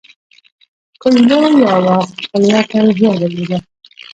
کویلیو یوه خپلواکه روحیه درلوده.